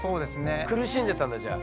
苦しんでたんだじゃあ。